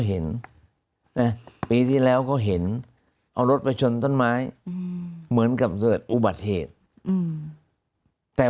เห็นนะปีที่แล้วเขาเห็นเอารถไปชนต้นไม้เหมือนกับเกิดอุบัติเหตุแต่